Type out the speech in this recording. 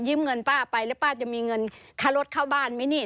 เงินป้าไปแล้วป้าจะมีเงินค่ารถเข้าบ้านไหมนี่